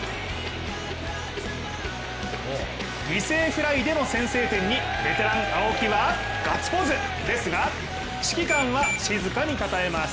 犠牲フライでの先制点にベテラン青木はガッツポーズですが指揮官は静かにたたえます。